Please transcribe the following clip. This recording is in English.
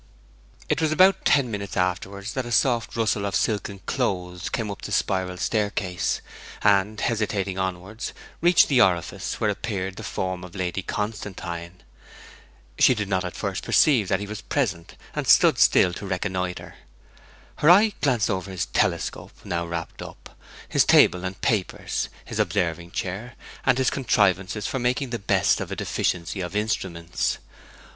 It was about ten minutes afterwards that a soft rustle of silken clothes came up the spiral staircase, and, hesitating onwards, reached the orifice, where appeared the form of Lady Constantine. She did not at first perceive that he was present, and stood still to reconnoitre. Her eye glanced over his telescope, now wrapped up, his table and papers, his observing chair, and his contrivances for making the best of a deficiency of instruments.